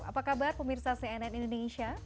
apa kabar pemirsa cnn indonesia